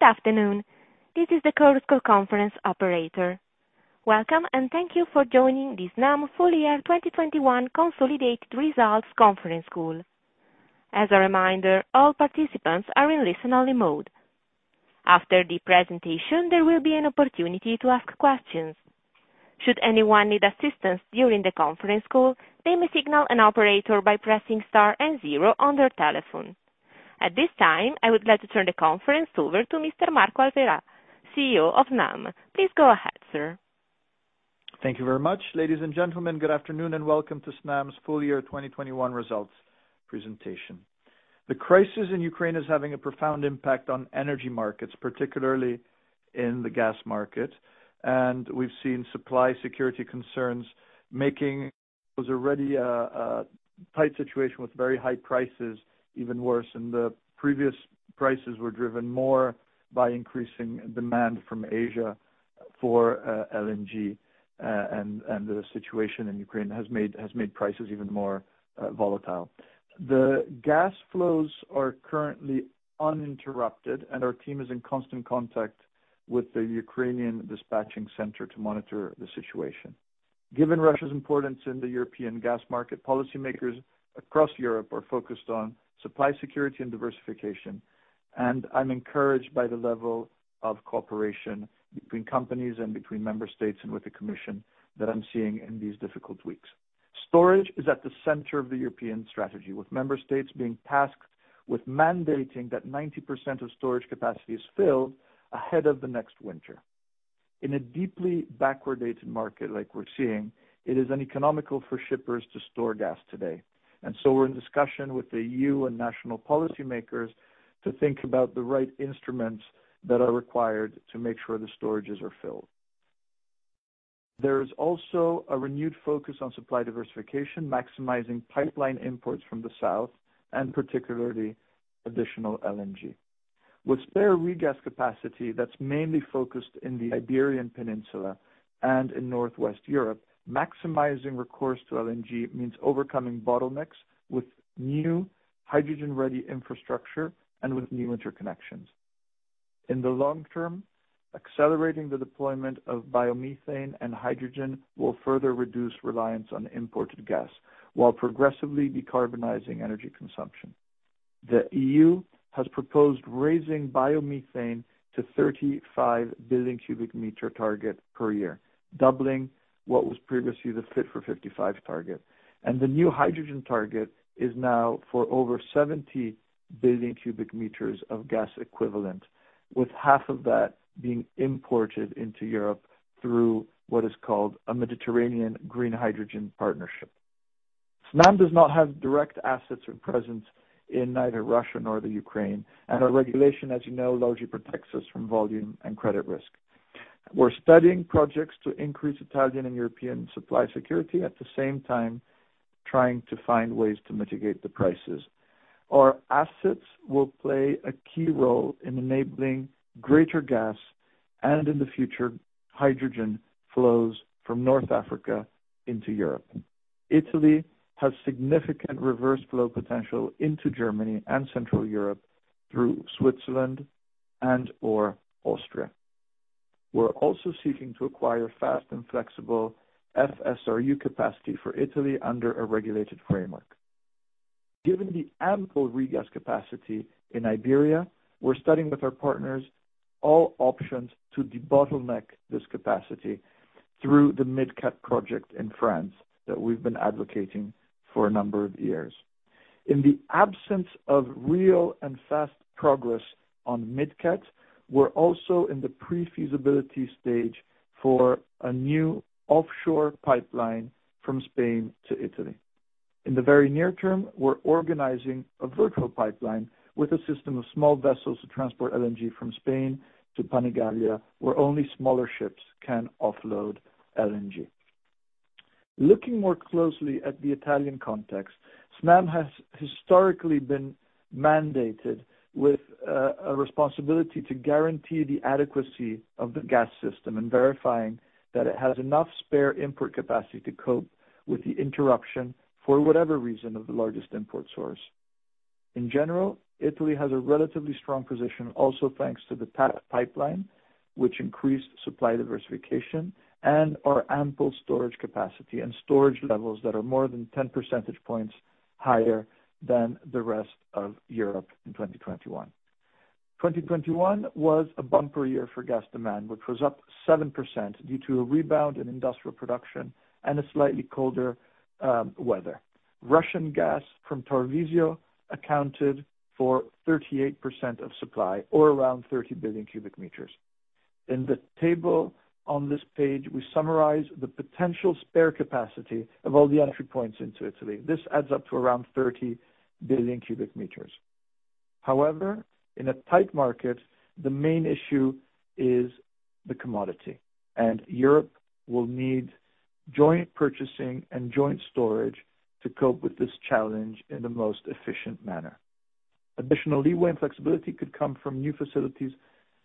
Good afternoon. This is the Chorus Call conference operator. Welcome, and thank you for joining the Snam full year 2021 consolidated results conference call. As a reminder, all participants are in listen-only mode. After the presentation, there will be an opportunity to ask questions. Should anyone need assistance during the conference call, they may signal an operator by pressing star and zero on their telephone. At this time, I would like to turn the conference over to Mr. Marco Alverà, CEO of Snam. Please go ahead, sir. Thank you very much. Ladies and gentlemen, good afternoon, and welcome to Snam's full year 2021 results presentation. The crisis in Ukraine is having a profound impact on energy markets, particularly in the gas market, and we've seen supply security concerns making those already tight situation with very high prices even worse. The previous prices were driven more by increasing demand from Asia for LNG, and the situation in Ukraine has made prices even more volatile. The gas flows are currently uninterrupted, and our team is in constant contact with the Ukrainian dispatching center to monitor the situation. Given Russia's importance in the European gas market, policy makers across Europe are focused on supply security and diversification, and I'm encouraged by the level of cooperation between companies and between member states and with the commission that I'm seeing in these difficult weeks. Storage is at the center of the European strategy, with member states being tasked with mandating that 90% of storage capacity is filled ahead of the next winter. In a deeply backwardated market like we're seeing, it is uneconomical for shippers to store gas today. We're in discussion with the E.U. and national policymakers to think about the right instruments that are required to make sure the storages are filled. There is also a renewed focus on supply diversification, maximizing pipeline imports from the south, and particularly additional LNG. With spare regas capacity that's mainly focused in the Iberian Peninsula and in Northwest Europe, maximizing recourse to LNG means overcoming bottlenecks with new hydrogen-ready infrastructure and with new interconnections. In the long term, accelerating the deployment of biomethane and hydrogen will further reduce reliance on imported gas while progressively decarbonizing energy consumption. The E.U. has proposed raising biomethane to 35 billion cu m target per year, doubling what was previously the Fit for 55 target. The new hydrogen target is now for over 70 billion cu m of gas equivalent, with 1/2 of that being imported into Europe through what is called a Mediterranean Green Hydrogen Partnership. Snam does not have direct assets or presence in neither Russia nor the Ukraine, and our regulation, as you know, largely protects us from volume and credit risk. We're studying projects to increase Italian and European supply security, at the same time trying to find ways to mitigate the prices. Our assets will play a key role in enabling greater gas, and in the future, hydrogen flows from North Africa into Europe. Italy has significant reverse flow potential into Germany and Central Europe through Switzerland and/or Austria. We're also seeking to acquire fast and flexible FSRU capacity for Italy under a regulated framework. Given the ample regas capacity in Iberia, we're studying with our partners all options to debottleneck this capacity through the MidCat project in France that we've been advocating for a number of years. In the absence of real and fast progress on MidCat, we're also in the pre-feasibility stage for a new offshore pipeline from Spain to Italy. In the very near term, we're organizing a virtual pipeline with a system of small vessels to transport LNG from Spain to Panigaglia, where only smaller ships can offload LNG. Looking more closely at the Italian context, Snam has historically been mandated with a responsibility to guarantee the adequacy of the gas system and verifying that it has enough spare import capacity to cope with the interruption for whatever reason of the largest import source. In general, Italy has a relatively strong position, also thanks to the TAP pipeline, which increased supply diversification and our ample storage capacity and storage levels that are more than 10 percentage points higher than the rest of Europe in 2021. 2021 was a bumper year for gas demand, which was up 7% due to a rebound in industrial production and a slightly colder weather. Russian gas from Tarvisio accounted for 38% of supply or around 30 billion cu m. In the table on this page, we summarize the potential spare capacity of all the entry points into Italy. This adds up to around 30 billion cu m. However, in a tight market, the main issue is the commodity, and Europe will need joint purchasing and joint storage to cope with this challenge in the most efficient manner. Additional leeway and flexibility could come from new facilities.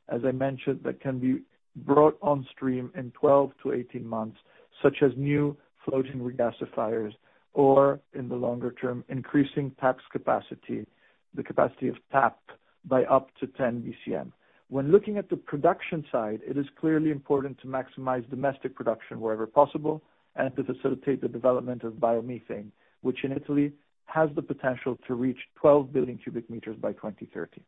As I mentioned, that can be brought on stream in 12-18 months, such as new floating regasifiers or in the longer term, increasing TAP's capacity, the capacity of TAP by up to 10 BCM. When looking at the production side, it is clearly important to maximize domestic production wherever possible and to facilitate the development of biomethane, which in Italy has the potential to reach 12 billion cu m by 2030.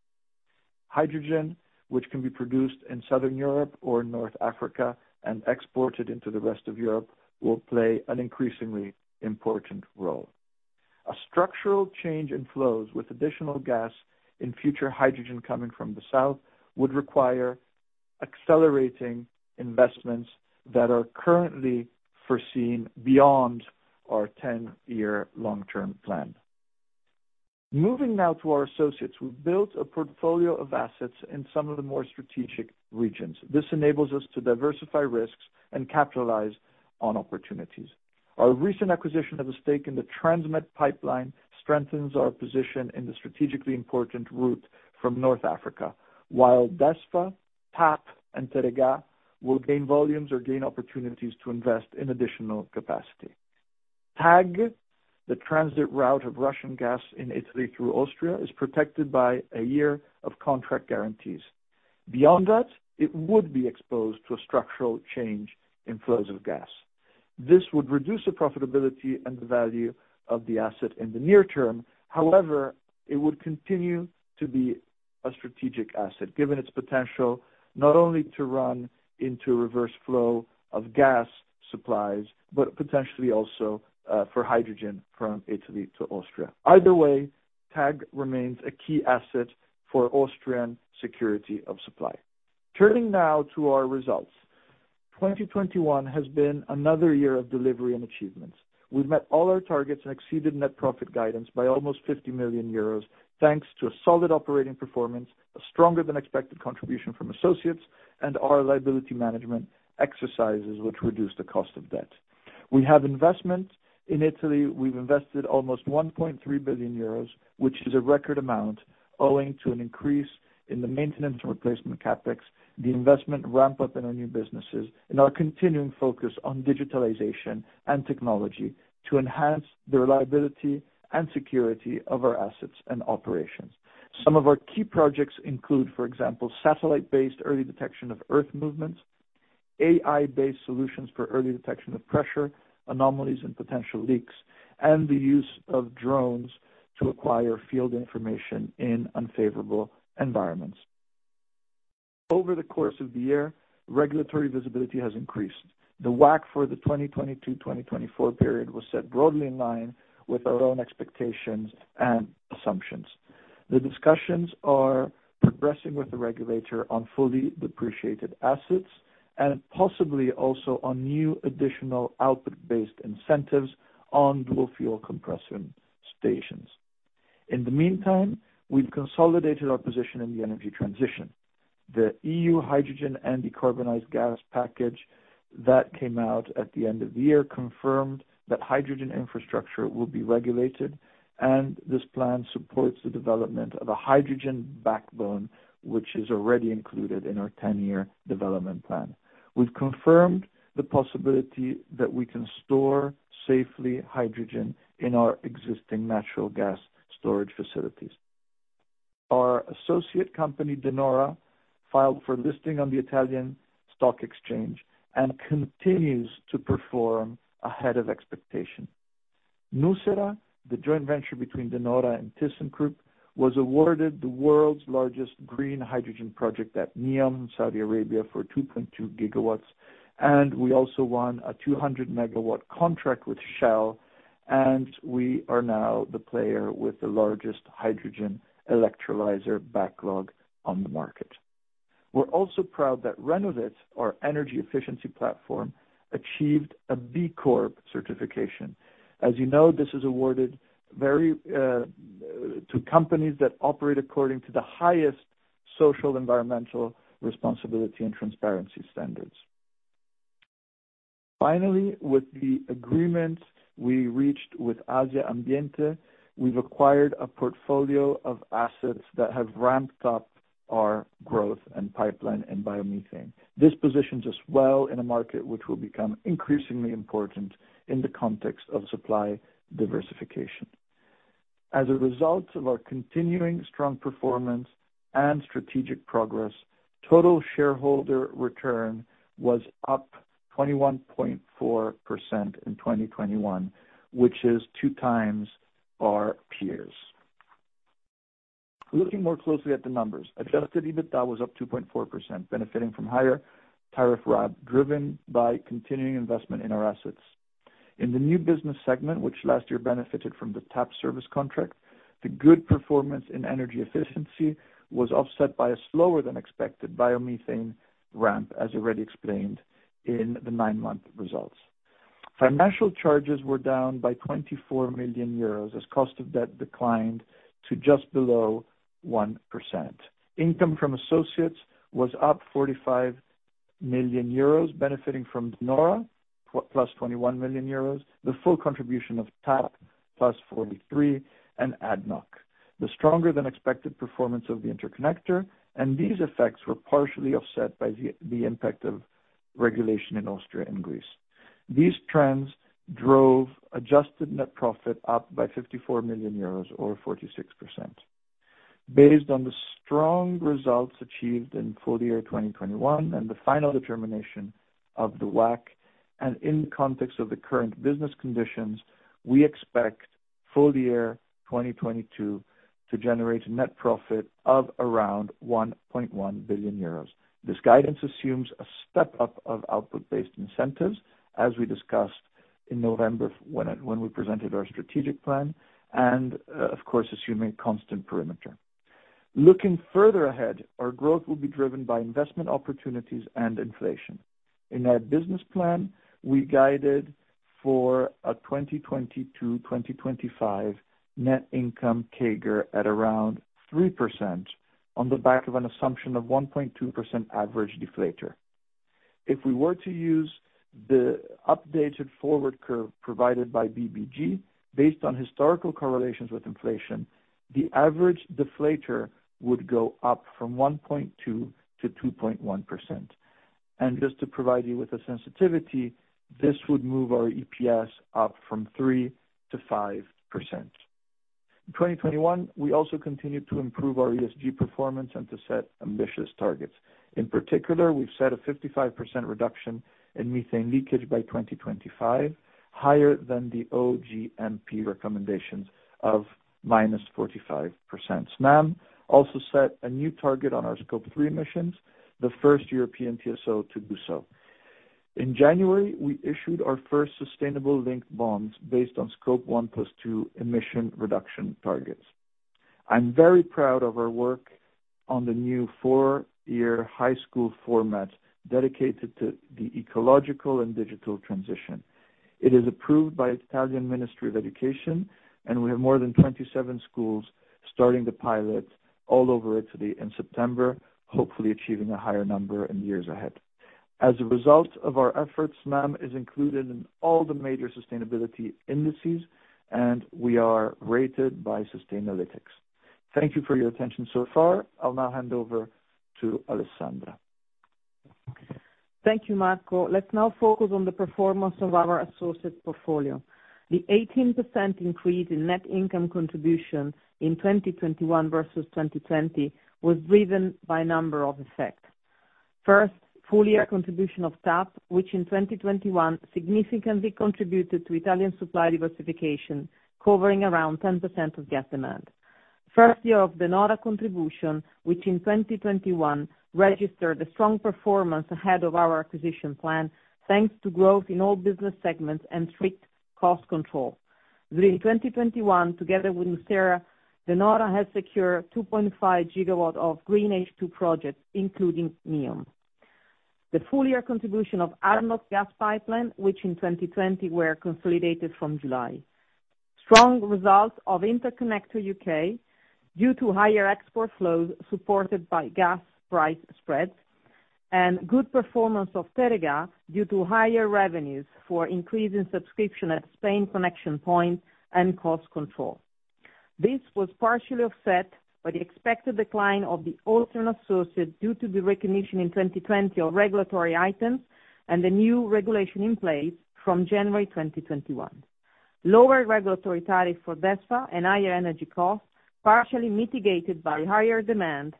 Hydrogen, which can be produced in Southern Europe or North Africa and exported into the rest of Europe, will play an increasingly important role. A structural change in flows with additional gas in future hydrogen coming from the south would require accelerating investments that are currently foreseen beyond our 10-year long term plan. Moving now to our associates. We've built a portfolio of assets in some of the more strategic regions. This enables us to diversify risks and capitalize on opportunities. Our recent acquisition of a stake in the Transmed pipeline strengthens our position in the strategically important route from North Africa, while DESFA, TAP and Terega will gain volumes or gain opportunities to invest in additional capacity. TAG, the transit route of Russian gas in Italy through Austria, is protected by a year of contract guarantees. Beyond that, it would be exposed to a structural change in flows of gas. This would reduce the profitability and the value of the asset in the near term. However, it would continue to be a strategic asset, given its potential not only to run into reverse flow of gas supplies, but potentially also for hydrogen from Italy to Austria. Either way, TAG remains a key asset for Austrian security of supply. Turning now to our results. 2021 has been another year of delivery and achievements. We've met all our targets and exceeded net profit guidance by almost 50 million euros, thanks to a solid operating performance, a stronger than expected contribution from associates and our liability management exercises, which reduced the cost of debt. We have investment in Italy, we've invested almost 1.3 billion euros, which is a record amount owing to an increase in the maintenance replacement CapEx, the investment ramp up in our new businesses, and our continuing focus on digitalization and technology to enhance the reliability and security of our assets and operations. Some of our key projects include, for example, satellite-based early detection of earth movements, AI-based solutions for early detection of pressure anomalies and potential leaks, and the use of drones to acquire field information in unfavorable environments. Over the course of the year, regulatory visibility has increased. The WACC for the 2022-2024 period was set broadly in line with our own expectations and assumptions. The discussions are progressing with the regulator on fully depreciated assets and possibly also on new additional output-based incentives on dual fuel compression stations. In the meantime, we've consolidated our position in the energy transition. The E.U. Hydrogen and Decarbonized Gas Package that came out at the end of the year confirmed that hydrogen infrastructure will be regulated, and this plan supports the development of a hydrogen backbone, which is already included in our 10-year development plan. We've confirmed the possibility that we can store safely hydrogen in our existing natural gas storage facilities. Our associate company, De Nora, filed for listing on Italian Stock Exhange, and continues to perform ahead of expectation. Nucera, the joint venture between De Nora and Thyssenkrupp, was awarded the world's largest green hydrogen project at Neom, Saudi Arabia, for 2.2 GW, and we also won a 200 MW contract with Shell. We are now the player with the largest hydrogen electrolyzer backlog on the market. We're also proud that Renovit, our energy efficiency platform, achieved a B Corp Certification. As you know, this is awarded very to companies that operate according to the highest social, environmental responsibility and transparency standards. Finally, with the agreement we reached with Asja Ambiente, we've acquired a portfolio of assets that have ramped up our growth and pipeline and biomethane. This positions us well in a market which will become increasingly important in the context of supply diversification. As a result of our continuing strong performance and strategic progress, total shareholder return was up 21.4% in 2021, which is two times our peers. Looking more closely at the numbers, adjusted EBITDA was up 2.4%, benefiting from higher tariff RAB, driven by continuing investment in our assets. In the new business segment, which last year benefited from the TAP service contract, the good performance in energy efficiency was offset by a slower than expected biomethane ramp, as already explained in the nine-month results. Financial charges were down by 24 million euros as cost of debt declined to just below 1%. Income from associates was up 45 million euros benefiting from De Nora, plus 21 million euros, the full contribution of TAP, plus 43 and ADNOC. The stronger than expected performance of the interconnector, and these effects were partially offset by the impact of regulation in Austria and Greece. These trends drove adjusted net profit up by 54 million euros or 46%. Based on the strong results achieved in full year 2021 and the final determination of the WACC, and in the context of the current business conditions, we expect full year 2022 to generate a net profit of around 1.1 billion euros. This guidance assumes a step up of output-based incentives, as we discussed in November when we presented our strategic plan and, of course, assuming constant perimeter. Looking further ahead, our growth will be driven by investment opportunities and inflation. In our business plan, we guided for a 2020-2025 net income CAGR at around 3% on the back of an assumption of 1.2% average deflator. If we were to use the updated forward curve provided by BBG based on historical correlations with inflation, the average deflator would go up from 1.2% to 2.1%. Just to provide you with a sensitivity, this would move our EPS up from 3%-5%. In 2021, we also continued to improve our ESG performance and to set ambitious targets. In particular, we've set a 55% reduction in methane leakage by 2025, higher than the OGMP recommendations of -45%. Snam also set a new target on our Scope 3 emissions, the first European TSO to do so. In January, we issued our first sustainability-linked bonds based on Scope 1 + 2 emission reduction targets. I'm very proud of our work on the new four-year high school format dedicated to the ecological and digital transition. It is approved by Italian Ministry of Education, and we have more than 27 schools starting the pilot all over Italy in September, hopefully achieving a higher number in years ahead. As a result of our efforts, Snam is included in all the major sustainability indices, and we are rated by Sustainalytics. Thank you for your attention so far. I'll now hand over to Alessandra. Thank you, Marco. Let's now focus on the performance of our associated portfolio. The 18% increase in net income contribution in 2021 versus 2020 was driven by a number of effects. First, full year contribution of TAP, which in 2021 significantly contributed to Italian supply diversification, covering around 10% of gas demand. First year of De Nora contribution, which in 2021 registered a strong performance ahead of our acquisition plan, thanks to growth in all business segments and strict cost control. During 2021, together with Nucera, De Nora has secured 2.5 GW of green H2 projects, including Neom. The full year contribution of ADNOC gas pipelines, which in 2020 were consolidated from July. Strong results of Interconnector U.K. due to higher export flows supported by gas price spreads and good performance of Terega due to higher revenues for increase in subscription at Spain connection point and cost control. This was partially offset by the expected decline of the alternate sources due to the recognition in 2020 of regulatory items and the new regulation in place from January 2021. Lower regulatory tariff for DESFA and higher energy costs, partially mitigated by higher demand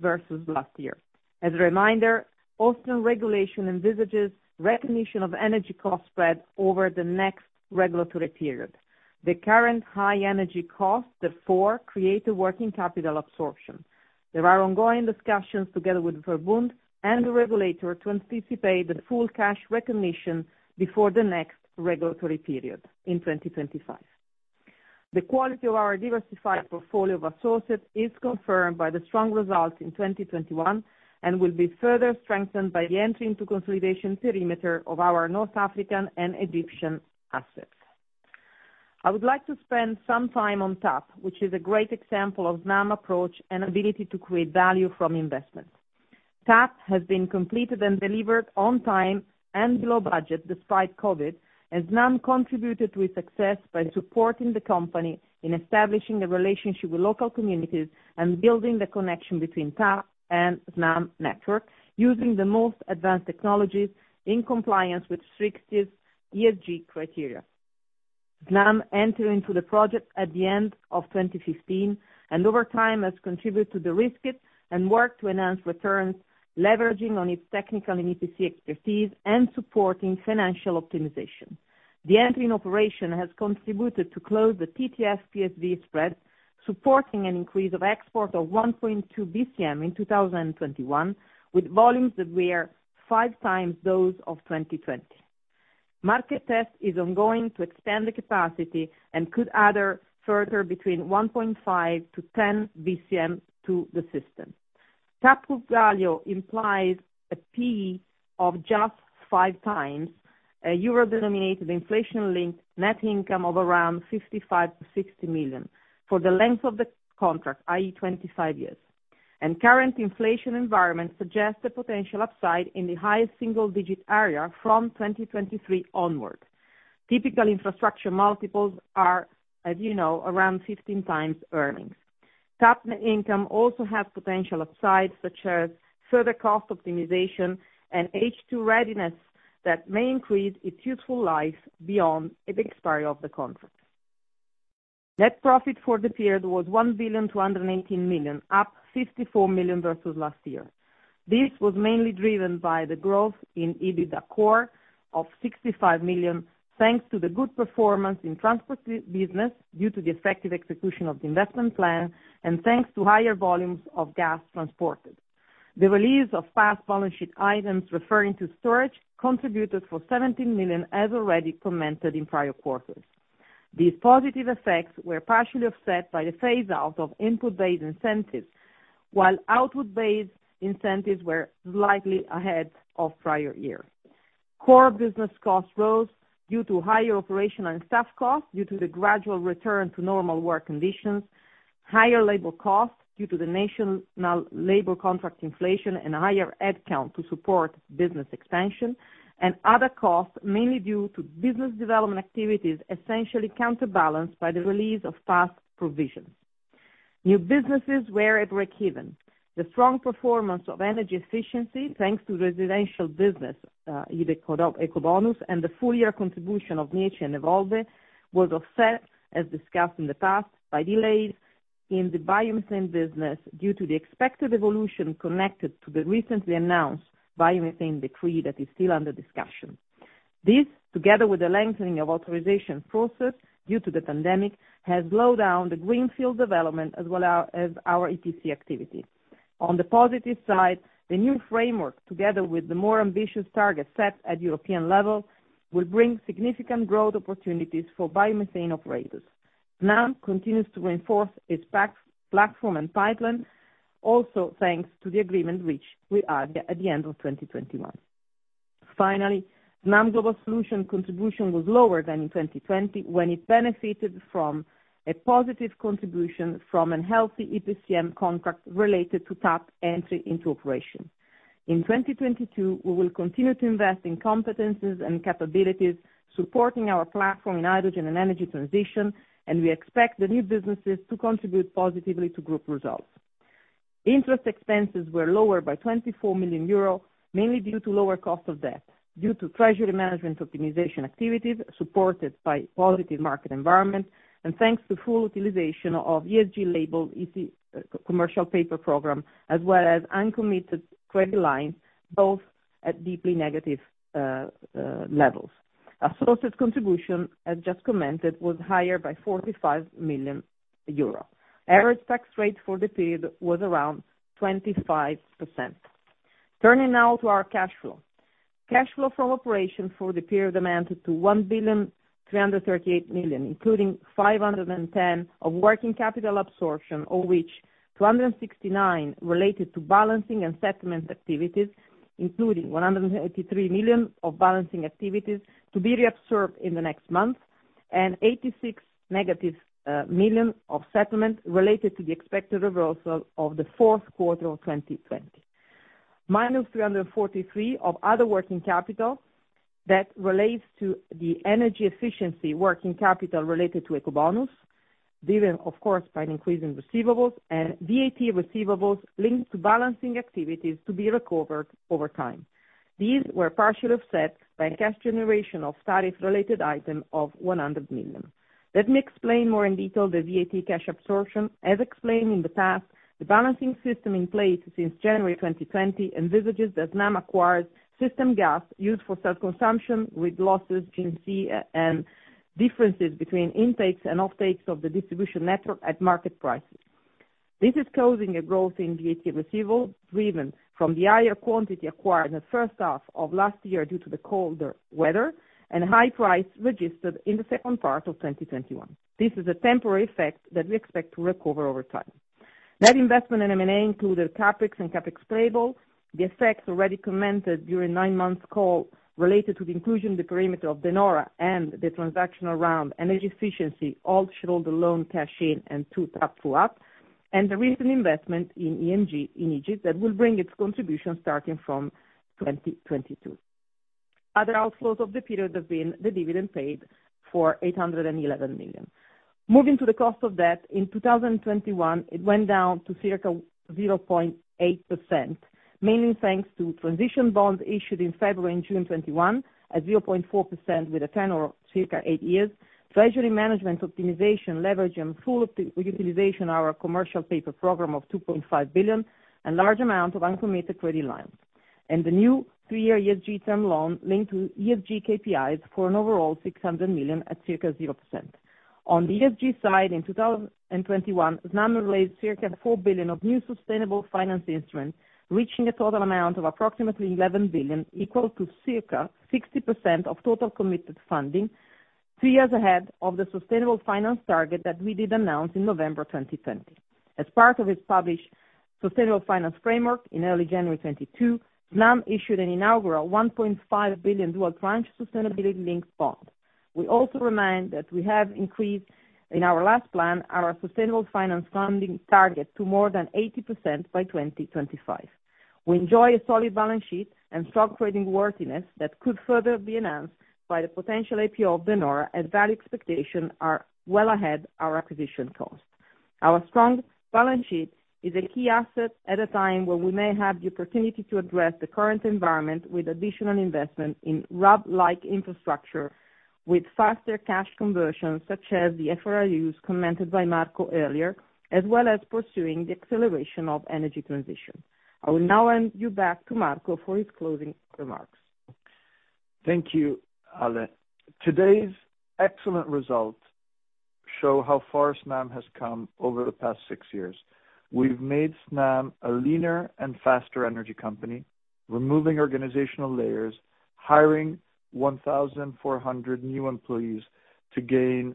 versus last year. As a reminder, Austrian regulation envisages recognition of energy cost spread over the next regulatory period. The current high energy costs, therefore, create a working capital absorption. There are ongoing discussions together with VERBUND and the regulator to anticipate the full cash recognition before the next regulatory period in 2025. The quality of our diversified portfolio of associates is confirmed by the strong results in 2021, and will be further strengthened by the entry into consolidation perimeter of our North African and Egyptian assets. I would like to spend some time on TAP, which is a great example of Snam approach and ability to create value from investment. TAP has been completed and delivered on time and below budget despite COVID, as Snam contributed to its success by supporting the company in establishing a relationship with local communities and building the connection between TAP and Snam network using the most advanced technologies in compliance with restrictive ESG criteria. Snam enter into the project at the end of 2015 and, over time, has contributed to derisk it and work to enhance returns, leveraging on its technical and EPC expertise and supporting financial optimization. The entry in operation has contributed to close the TTF PSV spread, supporting an increase of export of 1.2 BCM in 2021, with volumes that were 5x those of 2020. Market test is ongoing to expand the capacity and could add further between 1.5 BCM-10 BCM to the system. TAP value implies a P/E of just 5x. A EUR-denominated inflation-linked net income of around 55 million-60 million for the length of the contract, i.e., 25 years. Current inflation environment suggests a potential upside in the high single-digit area from 2023 onwards. Typical infrastructure multiples are, as you know, around 15x earnings. TAP net income also has potential upsides such as further cost optimization and H2 readiness that may increase its useful life beyond the expiry of the contract. Net profit for the period was 1,218 million, up 54 million versus last year. This was mainly driven by the growth in EBITDA core of 65 million, thanks to the good performance in transport business due to the effective execution of the investment plan and thanks to higher volumes of gas transported. The release of past balance sheet items referring to storage contributed 17 million, as already commented in prior quarters. These positive effects were partially offset by the phase out of input-based incentives, while output-based incentives were slightly ahead of prior year. Core business costs rose due to higher operational and staff costs due to the gradual return to normal work conditions, higher labor costs due to the national labor contract inflation and higher headcount to support business expansion, and other costs, mainly due to business development activities, essentially counterbalanced by the release of past provisions. New businesses were at breakeven. The strong performance of energy efficiency, thanks to residential business, Ecobonus and the full year contribution of Mieci and Evolve was offset, as discussed in the past, by delays in the biomethane business due to the expected evolution connected to the recently announced biomethane decree that is still under discussion. This, together with the lengthening of authorization process due to the pandemic, has slowed down the greenfield development as well as our EPC activity. On the positive side, the new framework, together with the more ambitious targets set at European level, will bring significant growth opportunities for biomethane operators. Snam continues to reinforce its platform and pipeline also thanks to the agreement reached with Argat at the end of 2021. Finally, Snam Global Solutions contribution was lower than in 2020, when it benefited from a positive contribution from a healthy EPCM contract related to TAP entry into operation. In 2022, we will continue to invest in competencies and capabilities supporting our platform in hydrogen and energy transition, and we expect the new businesses to contribute positively to group results. Interest expenses were lower by 24 million euros, mainly due to lower cost of debt due to treasury management optimization activities supported by positive market environment and thanks to full utilization of ESG-labeled EC commercial paper program, as well as uncommitted credit lines, both at deeply negative levels. Our sources contribution, as just commented, was higher by 45 million euros. Average tax rate for the period was around 25%. Turning now to our cash flow. Cash flow from operations for the period amounted to 1,338 million, including 510 million of working capital absorption, of which 269 million related to balancing and settlement activities, including 183 million of balancing activities to be reabsorbed in the next month, and -86 million of settlement related to the expected reversal of the fourth quarter of 2020. -343 million of other working capital that relates to the energy efficiency working capital related to Ecobonus, driven of course, by an increase in receivables and VAT receivables linked to balancing activities to be recovered over time. These were partially offset by cash generation of tariff-related item of 100 million. Let me explain more in detail the VAT cash absorption. As explained in the past, the balancing system in place since January 2020 envisages that Snam acquires system gas used for self-consumption with losses between injections and differences between intakes and outtakes of the distribution network at market prices. This is causing a growth in VAT receivable, driven by the higher quantity acquired in the first half of last year due to the colder weather and high price registered in the second part of 2021. This is a temporary effect that we expect to recover over time. Net investment in M&A included CapEx and CapEx payable. The effects already commented during nine-month call related to the inclusion of the perimeter of De Nora and the transaction around energy efficiency, all shareholder loan cash-in and two top-ups, and the recent investment in EMG in Egypt that will bring its contribution starting from 2022. Other outflows of the period have been the dividend paid for 811 million. Moving to the cost of debt, in 2021, it went down to circa 0.8%, mainly thanks to transition bonds issued in February and June 2021 at 0.4%, with a 10 years or circa 8 years treasury management optimization leverage and full utilization our commercial paper program of 2.5 billion and large amount of uncommitted credit lines. The new three-year ESG term loan linked to ESG KPIs for an overall 600 million at circa 0%. On the ESG side, in 2021, Snam raised approximately 4 billion of new sustainable finance instruments, reaching a total amount of approximately 11 billion, equal to approximately 60% of total committed funding, three years ahead of the sustainable finance target that we did announce in November 2020. As part of its published Sustainable finance framework in early January 2022, Snam issued an inaugural 1.5 billion dual tranche sustainability-linked bond. We also remind that we have increased, in our last plan, our sustainable finance funding target to more than 80% by 2025. We enjoy a solid balance sheet and strong creditworthiness that could further be enhanced by the potential IPO of De Nora, and those expectations are well ahead of our acquisition cost. Our strong balance sheet is a key asset at a time where we may have the opportunity to address the current environment with additional investment in RAB-like infrastructure with faster cash conversion such as the FSRUs commented by Marco earlier, as well as pursuing the acceleration of energy transition. I will now hand you back to Marco for his closing remarks. Thank you, Ale. Today's excellent results show how far Snam has come over the past six years. We've made Snam a leaner and faster energy company, removing organizational layers, hiring 1,400 new employees to gain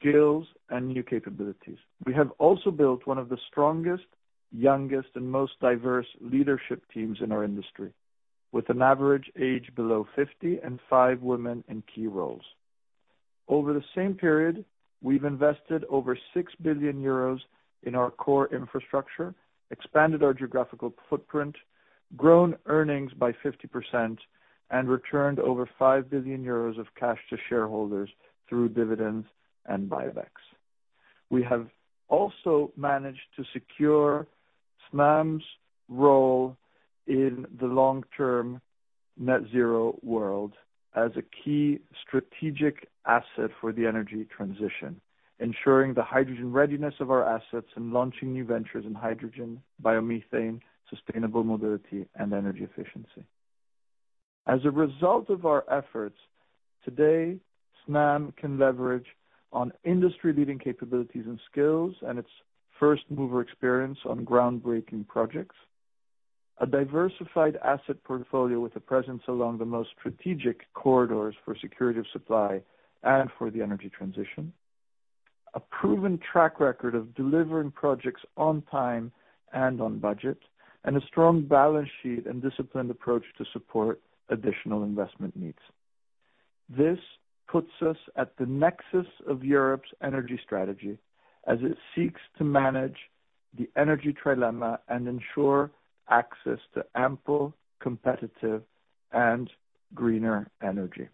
skills and new capabilities. We have also built one of the strongest, youngest and most diverse leadership teams in our industry, with an average age below 50, and five women in key roles. Over the same period, we've invested over 6 billion euros in our core infrastructure, expanded our geographical footprint, grown earnings by 50%, and returned over 5 billion euros of cash to shareholders through dividends and buybacks. We have also managed to secure Snam's role in the long-term net zero world as a key strategic asset for the energy transition, ensuring the hydrogen readiness of our assets and launching new ventures in hydrogen, biomethane, sustainable mobility and energy efficiency. As a result of our efforts, today, Snam can leverage on industry-leading capabilities and skills and its first-mover experience on groundbreaking projects, a diversified asset portfolio with a presence along the most strategic corridors for security of supply and for the energy transition, a proven track record of delivering projects on time and on budget, and a strong balance sheet and disciplined approach to support additional investment needs. This puts us at the nexus of Europe's energy strategy as it seeks to manage the energy trilemma and ensure access to ample, competitive and greener energy.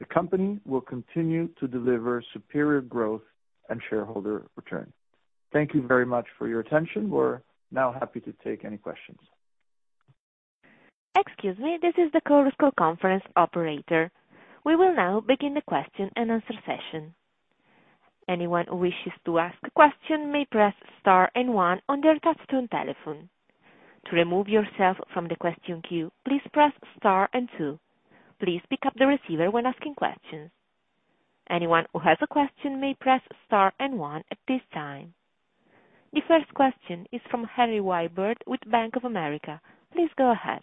The company will continue to deliver superior growth and shareholder return. Thank you very much for your attention. We're now happy to take any questions. Excuse me. This is the Chorus Call Conference operator. We will now begin the question-and-answer session. Anyone who wishes to ask a question may press star and one on their touch-tone telephone. To remove yourself from the question queue, please press star and two. Please pick up the receiver when asking questions. Anyone who has a question may press star and one at this time. The first question is from Harry Wyburd with Bank of America. Please go ahead.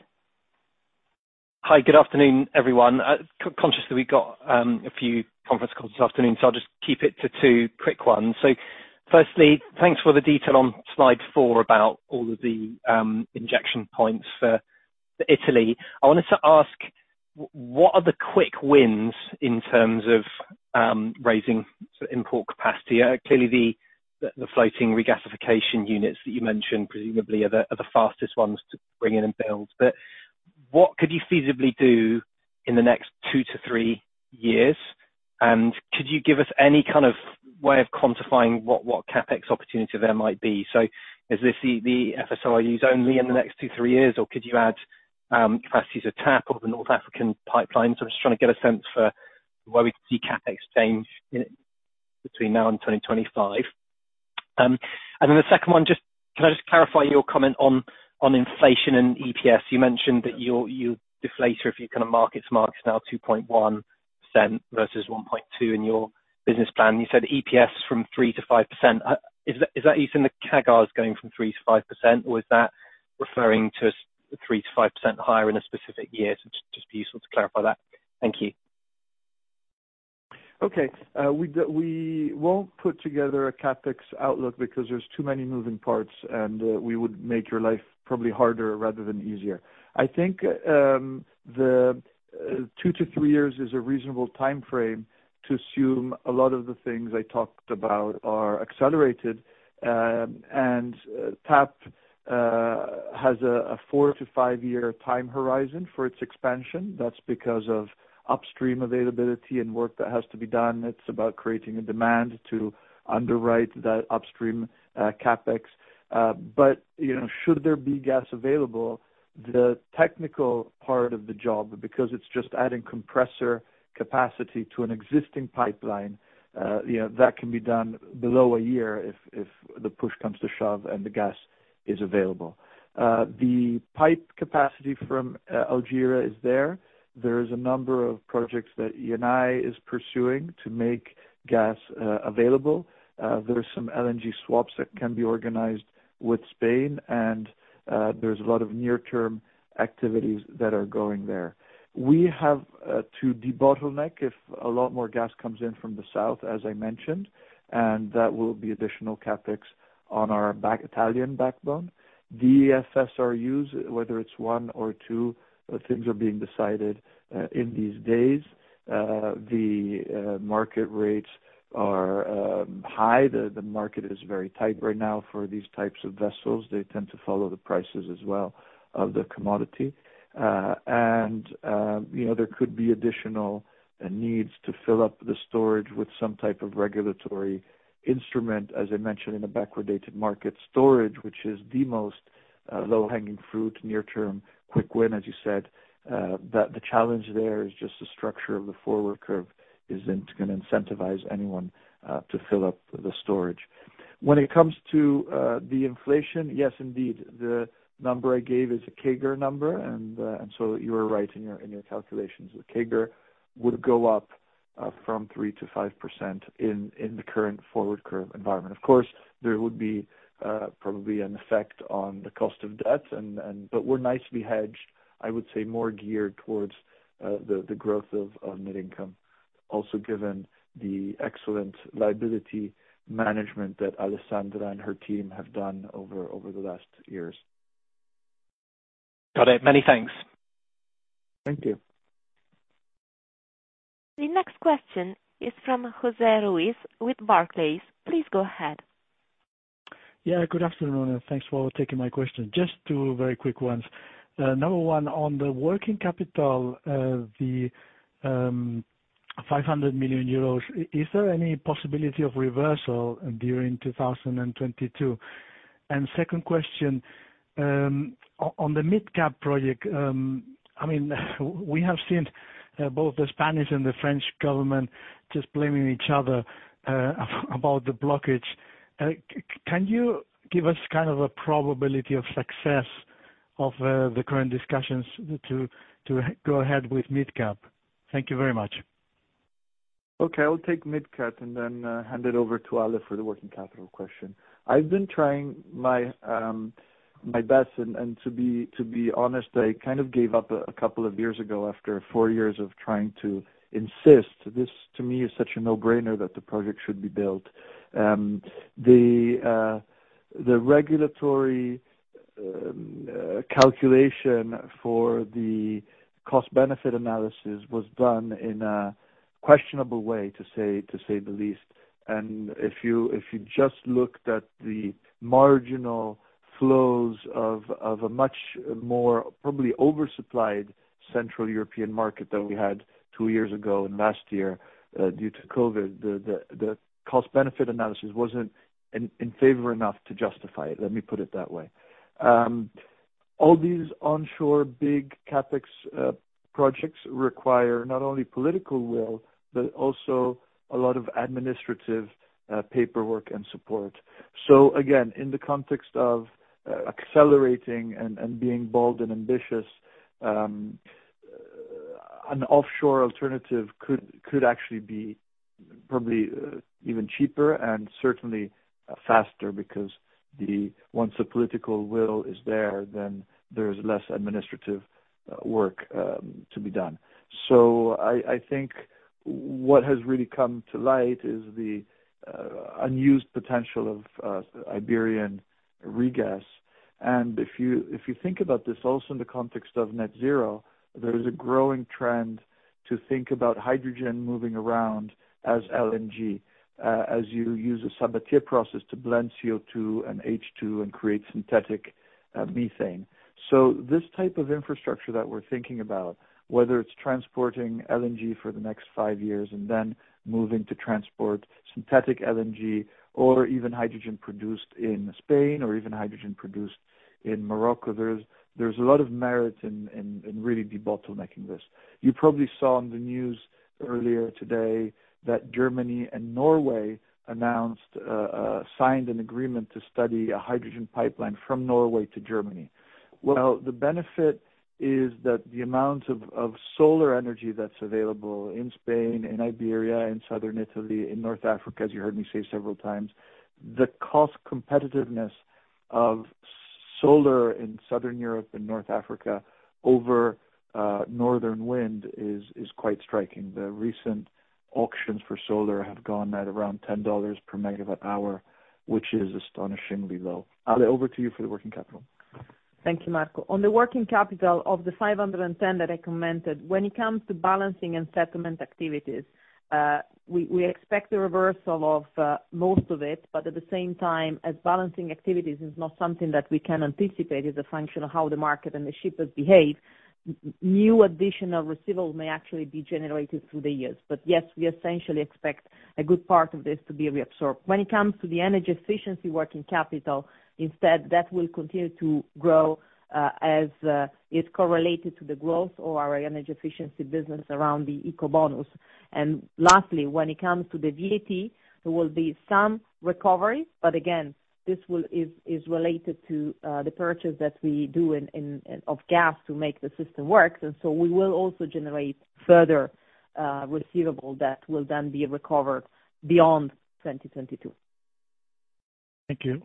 Hi. Good afternoon, everyone. Conscientiously, we got a few conference calls this afternoon, so I'll just keep it to two quick ones. Firstly, thanks for the detail on slide 4 about all of the injection points for Italy. I wanted to ask what are the quick wins in terms of raising import capacity? Clearly, the floating regasification units that you mentioned presumably are the fastest ones to bring in and build. What could you feasibly do in the next two to three years? And, could you give us any kind of way of quantifying what CapEx opportunity there might be? Is this the FSRUs only in the next two to three years, or could you add capacities of TAP or the North African pipelines? I'm just trying to get a sense for where we see CapEx change, you know, between now and 2025. Then the second one, just can I just clarify your comment on inflation and EPS? You mentioned that you deflated a few kind of markets now 2.1% versus 1.2% in your business plan. You said EPS from 3%-5%. Is that you saying the CAGR is going from 3%-5%, or is that referring to 3%-5% higher in a specific year? So, just be useful to clarify that. Thank you. Okay. We won't put together a CapEx outlook because there's too many moving parts, and we would make your life probably harder rather than easier. I think the two to three years is a reasonable timeframe to assume a lot of the things I talked about are accelerated. TAP has a four- to five-year time horizon for its expansion. That's because of upstream availability and work that has to be done. It's about creating a demand to underwrite that upstream CapEx. You know, should there be gas available, the technical part of the job, because it's just adding compressor capacity to an existing pipeline, you know, that can be done below one year if the push comes to shove and the gas is available. The pipe capacity from Algiers is there. There is a number of projects that Eni is pursuing to make gas available. There are some LNG swaps that can be organized with Spain and there's a lot of near-term activities that are going there. We have to debottleneck if a lot more gas comes in from the south, as I mentioned. That will be additional CapEx on our backbone, the Italian backbone. The FSRUs, whether it's one or two things, are being decided in these days. The market rates are high. The market is very tight right now for these types of vessels. They tend to follow the prices as well of the commodity. You know, there could be additional needs to fill up the storage with some type of regulatory instrument, as I mentioned, in a backwardated market storage, which is the most low-hanging fruit, near-term quick win, as you said. The challenge there is just the structure of the forward curve isn't gonna incentivize anyone to fill up the storage. When it comes to the inflation, yes, indeed. The number I gave is a CAGR number and so you are right in your calculations. The CAGR would go up from 3%-5% in the current forward curve environment. Of course, there would be probably an effect on the cost of debt and. We're nicely hedged. I would say more geared towards the growth of net income, also given the excellent liability management that Alessandra and her team have done over the last years. Got it. Many thanks. Thank you. The next question is from José Ruiz with Barclays. Please go ahead. Yeah, good afternoon, and thanks for taking my question. Just two very quick ones. Number one, on the working capital, the 500 million euros, is there any possibility of reversal during 2022? Second question, on the MidCat project, I mean, we have seen both the Spanish and the French government just blaming each other about the blockage. Can you give us kind of a probability of success of the current discussions to go ahead with MidCat? Thank you very much. Okay, I'll take MidCat and then hand it over to Ale for the working capital question. I've been trying my best and to be honest, I kind of gave up a couple of years ago after four years of trying to insist. This, to me, is such a no-brainer that the project should be built. The regulatory calculation for the cost-benefit analysis was done in a questionable way, to say the least. If you just looked at the marginal flows of a much more probably oversupplied central European market than we had two years ago and last year, due to COVID, the cost-benefit analysis wasn't in favor enough to justify it, let me put it that way. All these onshore big CapEx projects require not only political will, but also a lot of administrative paperwork and support. Again, in the context of accelerating and being bold and ambitious, an offshore alternative could actually be probably even cheaper and certainly faster because once the political will is there, then there's less administrative work to be done. I think what has really come to light is the unused potential of Iberian regas. If you think about this also in the context of net zero, there is a growing trend to think about hydrogen moving around as LNG, as you use a Sabatier process to blend CO2 and H2 and create synthetic methane. This type of infrastructure that we're thinking about, whether it's transporting LNG for the next five years and then moving to transport synthetic LNG or even hydrogen produced in Spain or even hydrogen produced in Morocco, there's a lot of merit in really debottlenecking this. You probably saw on the news earlier today that Germany and Norway announced, signed an agreement to study a hydrogen pipeline from Norway to Germany. Well, the benefit is that the amount of solar energy that's available in Spain, in Iberia, in Southern Italy, in North Africa, as you heard me say several times, the cost competitiveness of solar in Southern Europe and North Africa over northern wind is quite striking. The recent auctions for solar have gone at around $10 per MWh, which is astonishingly low. Ale, over to you for the working capital. Thank you, Marco. On the working capital of 510 that I commented, when it comes to balancing and settlement activities, we expect the reversal of most of it, but at the same time, as balancing activities is not something that we can anticipate, it's a function of how the market and the shippers behave, new additional receivables may actually be generated through the years. But yes, we essentially expect a good part of this to be reabsorbed. When it comes to the energy efficiency working capital, instead that will continue to grow, as it's correlated to the growth of our energy efficiency business around the Ecobonus. Lastly, when it comes to the VAT, there will be some recovery, but again, this is related to the purchase that we do in, of gas to make the system work. We will also generate further receivable that will then be recovered beyond 2022. Thank you.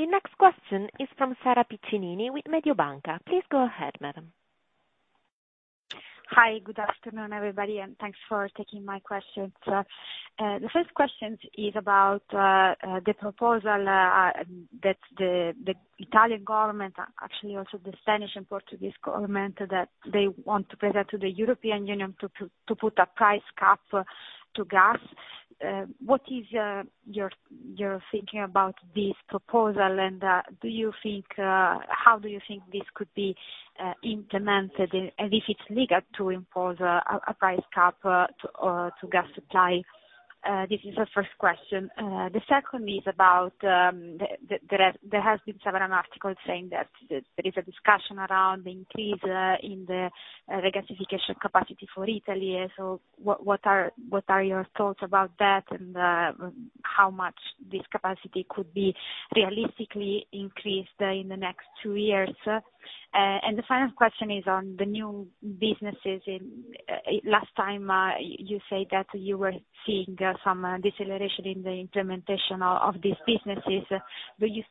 The next question is from Sara Piccinini with Mediobanca. Please go ahead, madam. Hi, good afternoon, everybody, and thanks for taking my questions. The first question is about the proposal that the Italian government, actually also the Spanish and Portuguese government, that they want to present to the European Union to put a price cap to gas. What is your thinking about this proposal and do you think how this could be implemented, and if it's legal to impose a price cap to gas supply? This is the first question. The second is about the there has been several articles saying that there is a discussion around the increase in the gasification capacity for Italy. What are your thoughts about that, and how much this capacity could be realistically increased in the next two years? And the final question is on the new businesses. Last time, you said that you were seeing some deceleration in the implementation of these businesses. Do you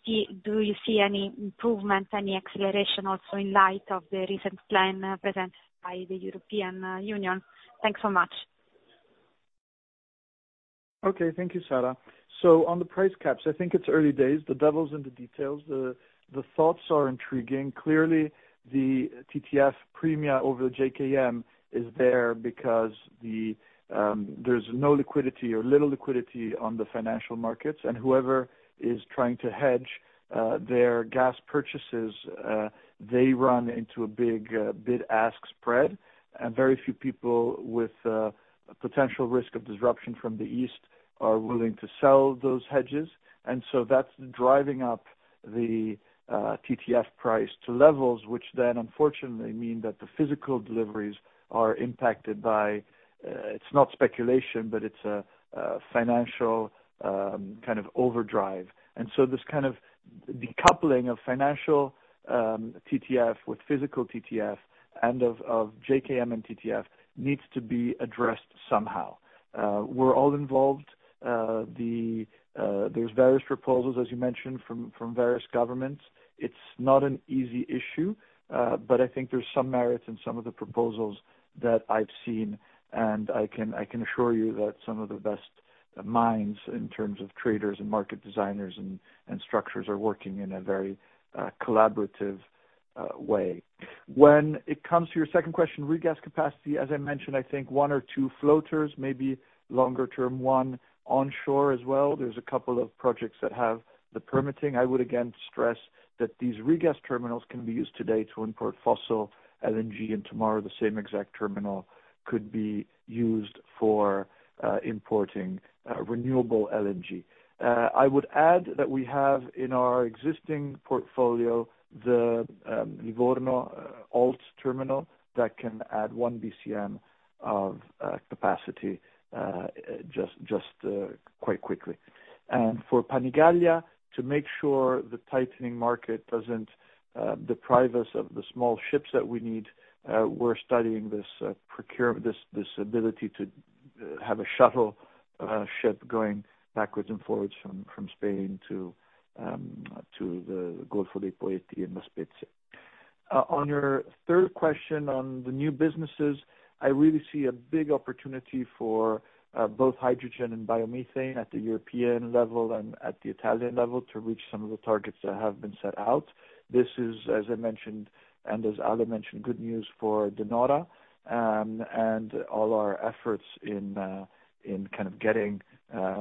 see any improvement, any acceleration also in light of the recent plan presented by the European Union? Thanks so much. Okay. Thank you, Sara. On the price caps, I think it's early days, the devil's in the details. The thoughts are intriguing. Clearly, the TTF premium over JKM is there because there's no liquidity or little liquidity on the financial markets, and whoever is trying to hedge their gas purchases, they run into a big bid-ask spread, and very few people with potential risk of disruption from the east are willing to sell those hedges. That's driving up the TTF price to levels which then unfortunately mean that the physical deliveries are impacted. It's not speculation, but it's a financial kind of overdrive. This kind of decoupling of financial TTF with physical TTF and of JKM and TTF needs to be addressed somehow. We're all involved. There's various proposals, as you mentioned, from various governments. It's not an easy issue, but I think there's some merits in some of the proposals that I've seen, and I can assure you that some of the best minds in terms of traders and market designers and structures are working in a very collaborative way. When it comes to your second question, regas capacity, as I mentioned, I think one or two floaters, maybe longer term, one onshore as well. There's a couple of projects that have the permitting. I would again stress that these regas terminals can be used today to import fossil LNG, and tomorrow the same exact terminal could be used for importing renewable LNG. I would add that we have in our existing portfolio the Livorno OLT terminal that can add 1 BCM of capacity just quite quickly. For Panigaglia, to make sure the tightening market doesn't deprive us of the small ships that we need, we're studying this ability to have a shuttle ship going backwards and forwards from Spain to the Gulf of Poets and La Spezia. On your third question on the new businesses, I really see a big opportunity for both hydrogen and biomethane at the European level and at the Italian level to reach some of the targets that have been set out. This is, as I mentioned, and as Ale mentioned, good news for De Nora and all our efforts in kind of getting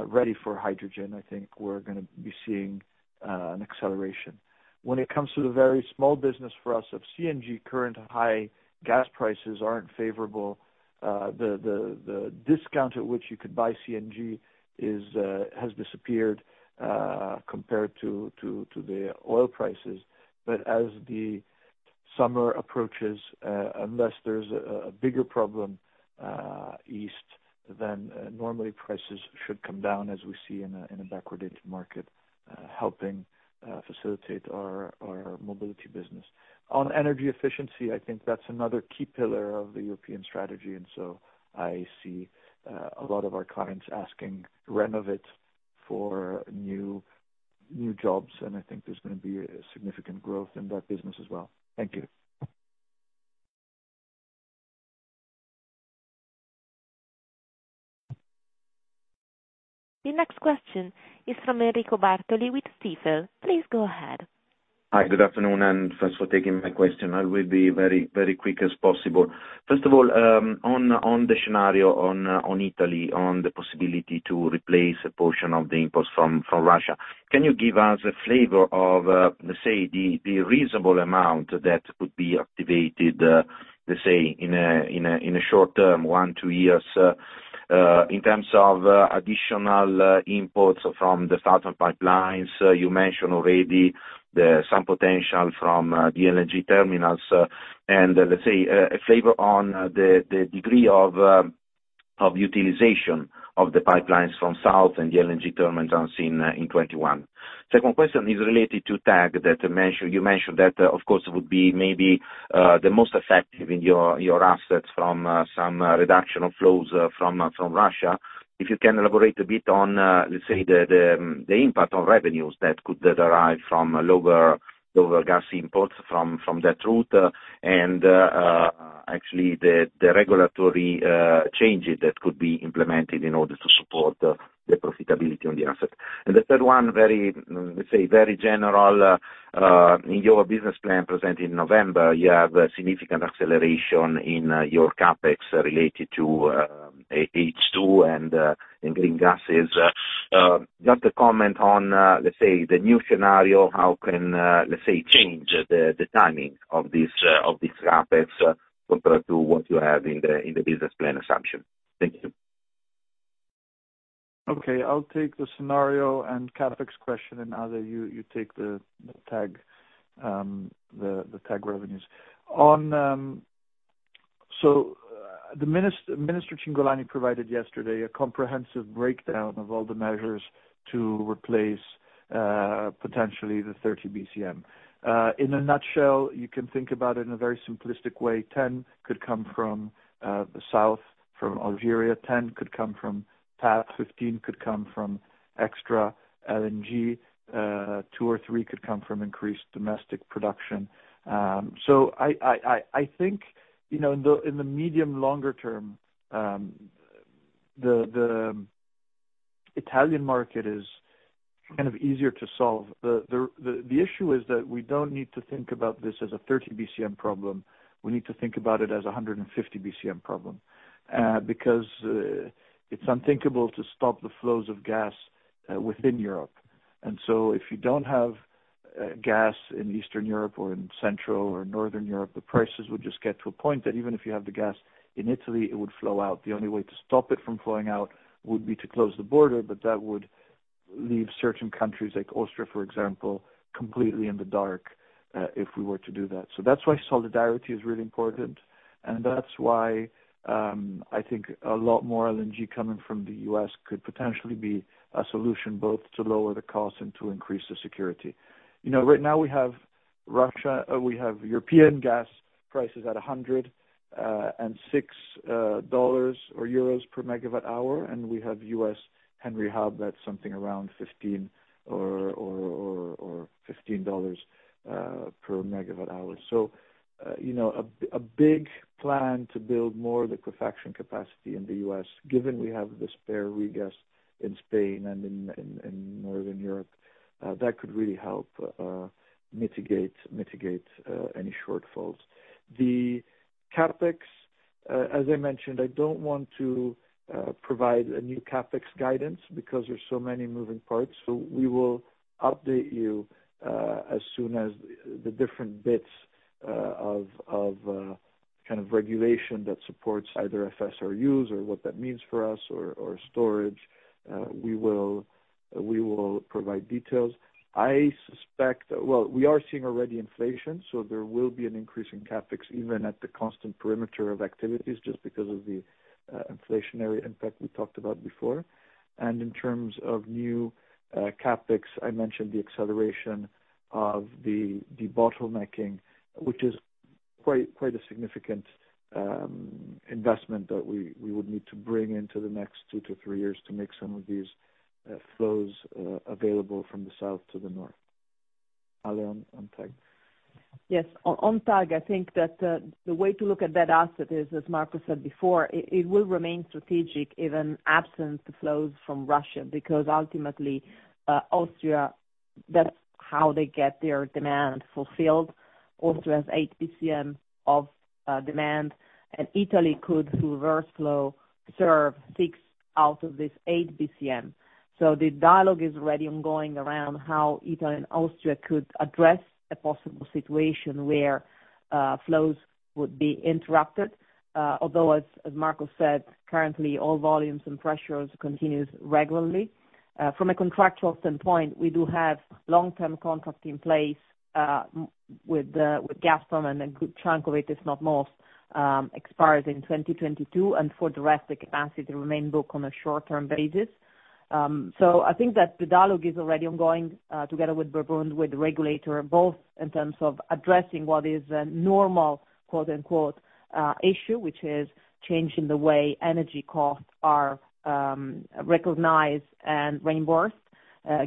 ready for hydrogen. I think we're gonna be seeing an acceleration. When it comes to the very small business for us of CNG, current high gas prices aren't favorable. The discount at which you could buy CNG has disappeared compared to the oil prices. As the summer approaches, unless there's a bigger problem east, then normally prices should come down as we see in a backward integrated market, helping facilitate our mobility business. On energy efficiency, I think that's another key pillar of the European strategy, and so I see a lot of our clients asking Renovit for new jobs, and I think there's gonna be a significant growth in that business as well. Thank you. The next question is from Enrico Bartoli with Stifel. Please go ahead. Hi, good afternoon, and thanks for taking my question. I will be very, very quick as possible. First of all, on the scenario on Italy, on the possibility to replace a portion of the imports from Russia, can you give us a flavor of, let's say, the reasonable amount that could be activated, let's say, in a short term, one to two years, in terms of additional imports from the southern pipelines? You mentioned already some potential from the LNG terminals. And let's say, a flavor on the degree of utilization of the pipelines from south and the LNG terminals on stream in 2021. Second question is related to TAG that you mentioned, of course, would be maybe the most effective in your assets from some reduction of flows from Russia. If you can elaborate a bit on, let's say, the impact on revenues that could derive from lower gas imports from that route, and actually the regulatory changes that could be implemented in order to support the profitability on the asset. The third one, very, let's say, very general. In your business plan presented in November, you have a significant acceleration in your CapEx related to H2 and in green gases. Just to comment on, let's say, the new scenario, how can, let's say, change the timing of this CapEx compared to what you have in the business plan assumption? Thank you. Okay. I'll take the scenario and CapEx question, and Ale, you take the TAG revenues. Minister Cingolani provided yesterday a comprehensive breakdown of all the measures to replace potentially the 30 BCM. In a nutshell, you can think about it in a very simplistic way. 10 BCM could come from the south, from Algeria. 10 BCM could come from TAP. 15 BCM could come from extra LNG. 2 or 3 BCM could come from increased domestic production. I think, you know, in the medium longer term, the Italian market is kind of easier to solve. The issue is that we don't need to think about this as a 30 BCM problem. We need to think about it as a 150 BCM problem, because it's unthinkable to stop the flows of gas within Europe. If you don't have gas in Eastern Europe or in Central or Northern Europe, the prices would just get to a point that even if you have the gas in Italy, it would flow out. The only way to stop it from flowing out would be to close the border, but that would leave certain countries, like Austria, for example, completely in the dark if we were to do that. That's why solidarity is really important, and that's why I think a lot more LNG coming from the U.S. could potentially be a solution, both to lower the cost and to increase the security. You know, right now we have European gas prices at $106, or EUR 106, per MWh, and we have U.S. Henry Hub at something around $15 per MWh. You know, a big plan to build more liquefaction capacity in the U.S., given we have the spare regas in Spain and Northern Europe, that could really help mitigate any shortfalls. The CapEx, as I mentioned, I don't want to provide a new CapEx guidance because there's so many moving parts. We will update you as soon as the different bits of kind of regulation that supports either FSRUs or what that means for us or storage. We will provide details. I suspect--well, we are seeing already inflation, so there will be an increase in CapEx, even at the constant perimeter of activities, just because of the inflationary impact we talked about before. In terms of new CapEx, I mentioned the acceleration of the bottlenecking, which is quite a significant investment that we would need to bring into the next two to three years to make some of these flows available from the south to the north. Ale, on TAG. On TAG, I think that the way to look at that asset is, as Marco said before, it will remain strategic even absent the flows from Russia, because ultimately, Austria, that's how they get their demand fulfilled. Austria has 8 BCM of demand, and Italy could reverse flow, serve 6 BCM out of this 8 BCM. The dialogue is already ongoing around how Italy and Austria could address a possible situation where flows would be interrupted. Although as Marco said, currently all volumes and pressures continue regularly. From a contractual standpoint, we do have long-term contract in place with Gazprom, and a good chunk of it, if not most, expires in 2022. For the rest, the capacity remains booked on a short-term basis. I think that the dialogue is already ongoing, together with Bourbon, with the regulator, both in terms of addressing what is a normal "issue", which is changing the way energy costs are, recognized and reimbursed,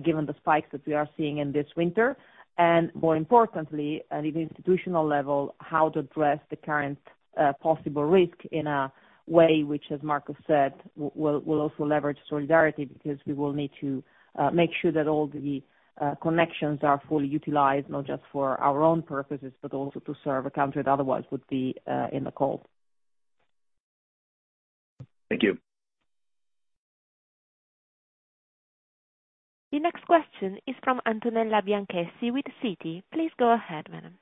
given the spikes that we are seeing in this winter. More importantly, at an institutional level, how to address the current, possible risk in a way which, as Marco said, we'll also leverage solidarity because we will need to, make sure that all the, connections are fully utilized not just for our own purposes, but also to serve a country that otherwise would be, in the cold. Thank you. The next question is from Antonella Bianchessi with Citi. Please go ahead, madam.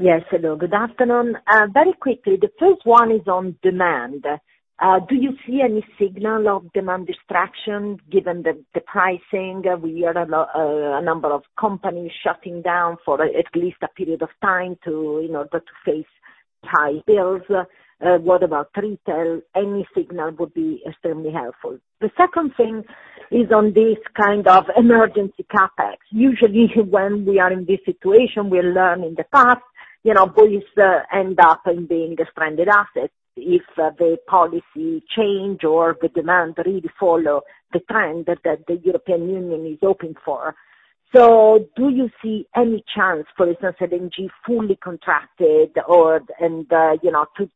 Yes, hello, good afternoon. Very quickly, the first one is on demand. Do you see any signal of demand destruction given the pricing? We hear a number of companies shutting down for at least a period of time to, you know, to face high bills. What about retail? Any signal would be extremely helpful. The second thing is on this kind of emergency CapEx. Usually when we are in this situation, we learned in the past, you know, these end up being a stranded asset, if the policy change or the demand really follow the trend that the European Union is hoping for. Do you see any chance for instance that LNG fully contracted or, and, you know, to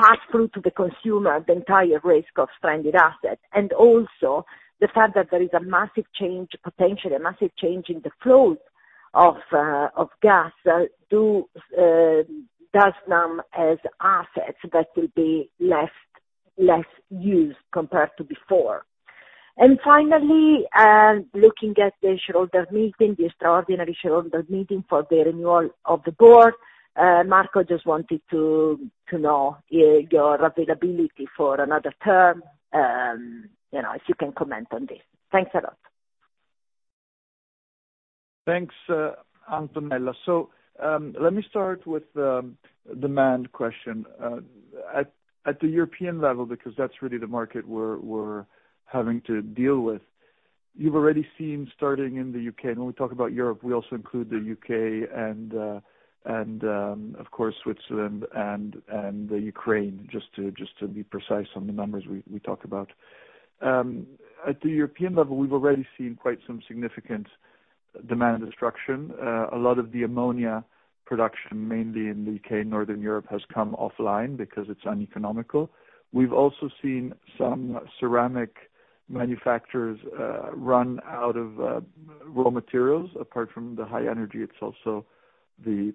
pass through to the consumer the entire risk of stranded assets? Also, the fact that there is a massive change, potentially a massive change in the flow of gas to Snam's assets that will be less used compared to before. Finally, looking at the shareholders meeting, the extraordinary shareholders meeting for the renewal of the board, Marco, just wanted to know your availability for another term, you know, if you can comment on this. Thanks a lot. Thanks, Antonella. Let me start with the demand question at the European level, because that's really the market we're having to deal with. You've already seen starting in the U.K., and when we talk about Europe, we also include the U.K. and of course Switzerland and the Ukraine just to be precise on the numbers we talk about. At the European level, we've already seen quite some significant demand destruction. A lot of the ammonia production, mainly in the U.K., Northern Europe, has come offline because it's uneconomical. We've also seen some ceramic manufacturers run out of raw materials apart from the high energy. It's also the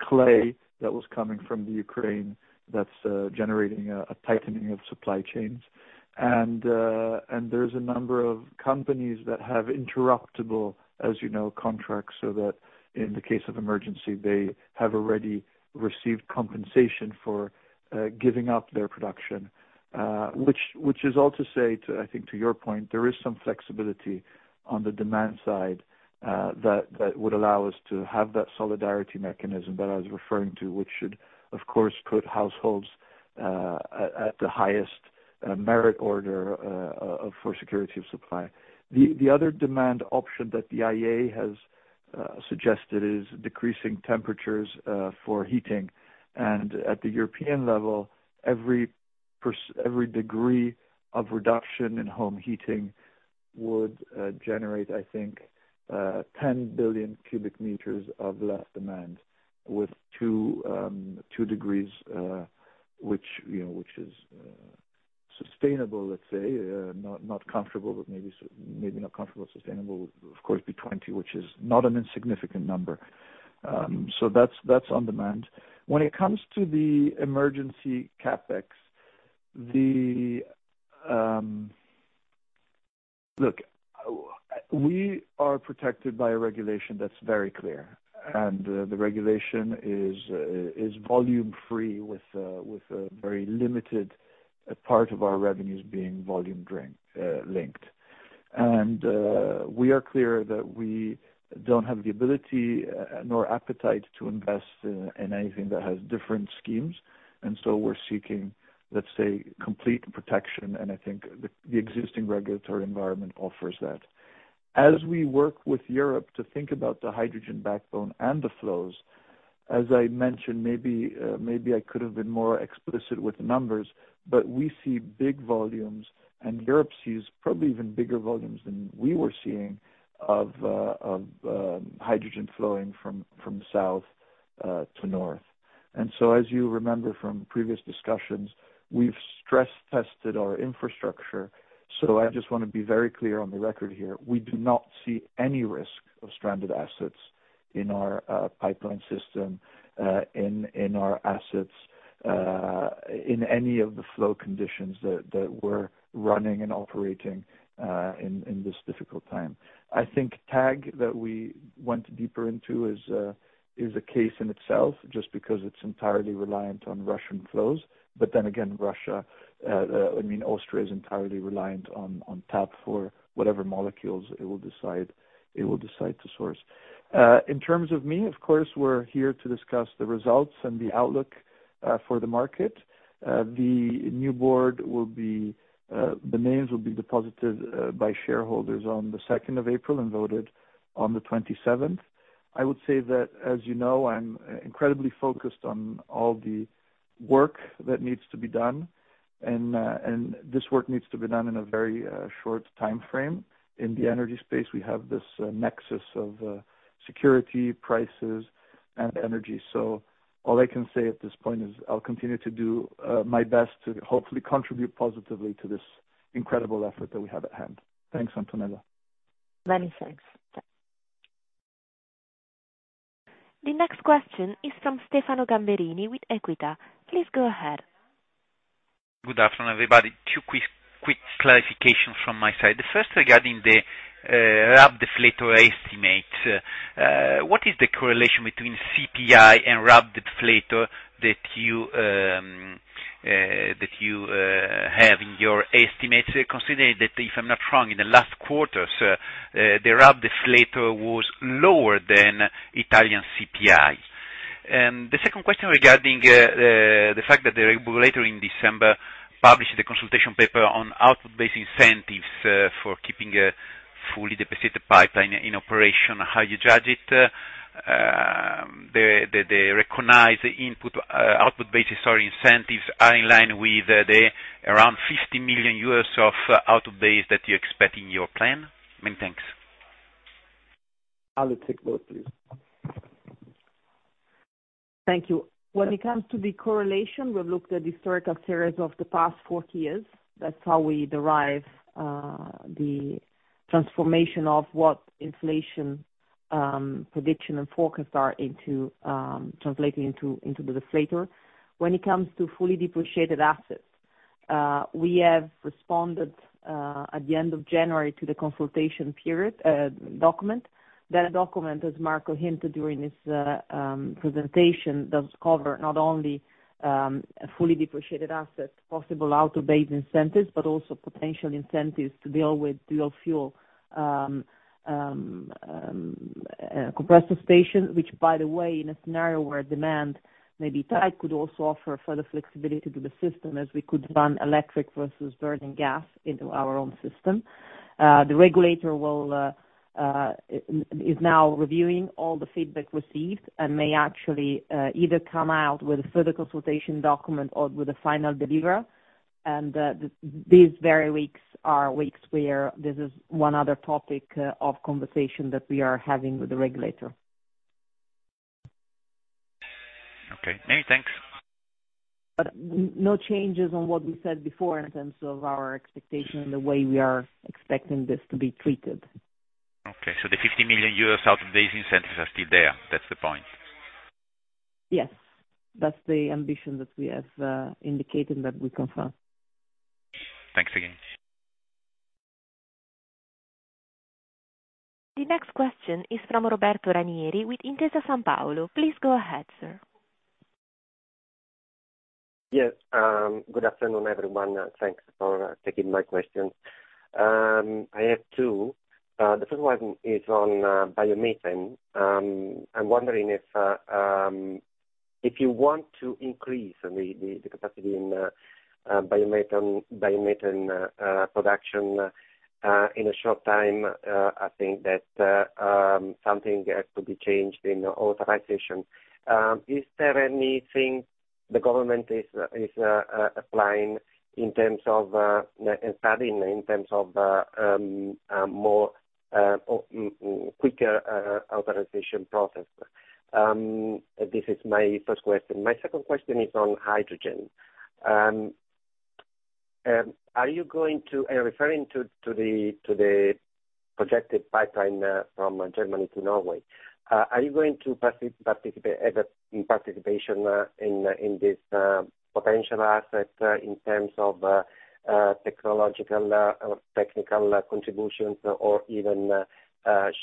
clay that was coming from the Ukraine that's generating a tightening of supply chains. There's a number of companies that have interruptible, as you know, contracts, so that in the case of emergency, they have already received compensation for giving up their production, which is all to say, I think, to your point, there is some flexibility on the demand side that would allow us to have that solidarity mechanism that I was referring to, which should, of course, put households at the highest merit order for security of supply. The other demand option that the IEA has suggested is decreasing temperatures for heating. At the European level, every pers--every degree of reduction in home heating would generate, I think, 10 billion cu m of less demand with 2 degrees, which, you know, is sustainable, let's say, not comfortable, but maybe sustainable, of course be 20, which is not an insignificant number. So that's on demand. When it comes to the emergency CapEx, look, we are protected by a regulation that's very clear, and the regulation is volume free with a very limited part of our revenues being volume risk linked. We are clear that we don't have the ability nor appetite to invest in anything that has different schemes. We're seeking, let's say, complete protection. I think the existing regulatory environment offers that. As we work with Europe to think about the hydrogen backbone and the flows, as I mentioned, maybe I could have been more explicit with the numbers, but we see big volumes, and Europe sees probably even bigger volumes than we were seeing of hydrogen flowing from south to north. As you remember from previous discussions, we've stress tested our infrastructure. I just wanna be very clear on the record here, we do not see any risk of stranded assets in our pipeline system, in our assets, in any of the flow conditions that we're running and operating, in this difficult time. I think TAG, that we went deeper into, is a case in itself just because it's entirely reliant on Russian flows, but then again Russia, I mean, Austria is entirely reliant on TAP for whatever molecules it will decide to source. In terms of me, of course, we're here to discuss the results and the outlook for the market. The new board will be, the names will be deposited by shareholders on the second of April and voted on the twenty-seventh. I would say that, as you know, I'm incredibly focused on all the work that needs to be done, and this work needs to be done in a very short timeframe. In the energy space, we have this nexus of security, prices and energy. All I can say at this point is I'll continue to do my best to hopefully contribute positively to this incredible effort that we have at hand. Thanks, Antonella. Many thanks. The next question is from Stefano Gamberini with Equita. Please go ahead. Good afternoon, everybody. Two quick clarifications from my side. The first regarding the RAB deflator estimate. What is the correlation between CPI and RAB deflator that you have in your estimates, considering that, if I'm not wrong, in the last quarters, the deflator was lower than Italian CPI. The second question regarding the fact that the regulator in December published the consultation paper on output-based incentives for keeping a fully depreciated pipeline in operation, how you judge it. They recognize output-based, sorry, incentives are in line with the around 50 million euros of output base that you expect in your plan, I mean. Thanks. I'll let you take both, please. Thank you. When it comes to the correlation, we've looked at historical series of the past four years. That's how we derive the transformation of what inflation prediction and forecasts are into translating into the deflator. When it comes to fully depreciated assets, we have responded at the end of January to the consultation period document. That document, as Marco hinted during his presentation, does cover not only a fully depreciated asset, possible output-based incentives, but also potential incentives to deal with dual fuel compressor station, which, by the way, in a scenario where demand may be tight, could also offer further flexibility to the system as we could run electric versus burning gas into our own system. The regulator is now reviewing all the feedback received and may actually either come out with a further consultation document or with a final deliverable. These very weeks are weeks where this is one other topic of conversation that we are having with the regulator. Okay. Thanks. No changes on what we said before in terms of our expectation, and the way we are expecting this to be treated. Okay. The 50 million euros out of these incentives are still there. That's the point. Yes. That's the ambition that we have indicated that we confirm. Thanks again. The next question is from Roberto Ranieri with Intesa Sanpaolo. Please go ahead, sir. Yes, good afternoon, everyone, and thanks for taking my questions. I have two. The first one is on biomethane. I'm wondering if you want to increase the capacity in biomethane production in a short time. I think that something has to be changed in authorization. Is there anything the government is applying in terms of and studying in terms of quicker authorization process? This is my first question. My second question is on hydrogen. Are you going to? I'm referring to the projected pipeline from Germany to Norway. Are you going to participate as a participant in this potential asset in terms of technological or technical contributions or even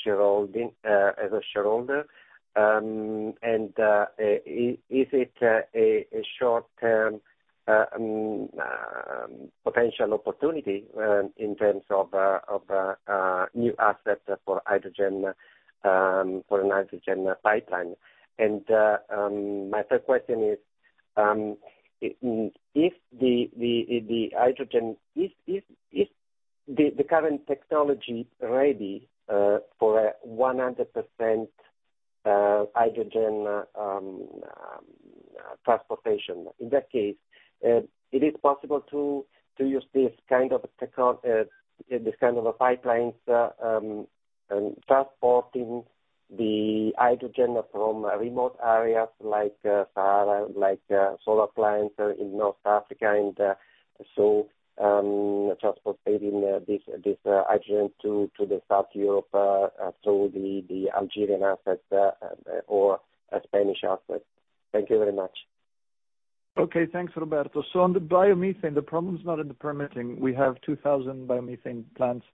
shareholding as a shareholder? Is it a short-term potential opportunity in terms of new assets for hydrogen for a hydrogen pipeline? My third question is the current technology ready for 100% hydrogen transportation? In that case, it is possible to use this kind of a pipelines transporting the hydrogen from remote areas like Sahara, like solar plants in North Africa and so transporting this hydrogen to southern Europe through the Algerian assets or Spanish assets. Thank you very much. Okay. Thanks, Roberto. On the biomethane, the problem is not in the permitting. We have 2,000 biomethane plants,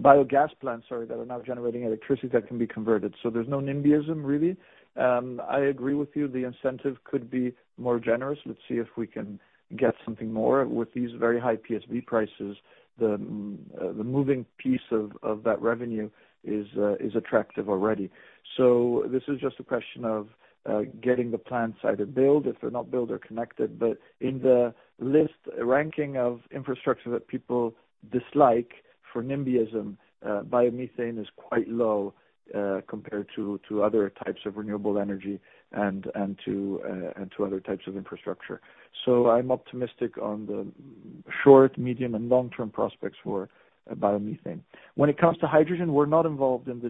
biogas plants, sorry, that are now generating electricity that can be converted. There's no nimbyism, really. I agree with you, the incentive could be more generous. Let's see if we can get something more. With these very high PSV prices, the moving piece of that revenue is attractive already. This is just a question of getting the plants either built, if they're not built or connected. But in the list ranking of infrastructure that people dislike for nimbyism, biomethane is quite low, compared to other types of renewable energy and to other types of infrastructure. I'm optimistic on the short, medium, and long-term prospects for biomethane. When it comes to hydrogen, we're not involved in